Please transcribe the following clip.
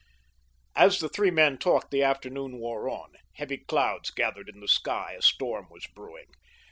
As the three men talked the afternoon wore on. Heavy clouds gathered in the sky; a storm was brewing.